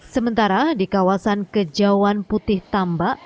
sementara di kawasan kejauhan putih tambak